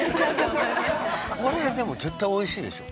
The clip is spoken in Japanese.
これでも絶対美味しいでしょ。